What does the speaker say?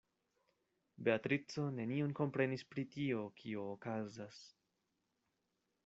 Beatrico nenion komprenis pri tio, kio okazas.